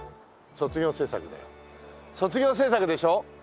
卒業制作でしょ？